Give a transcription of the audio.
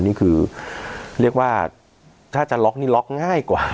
นี่คือเรียกว่าถ้าจะล็อกนี่ล็อกง่ายกว่า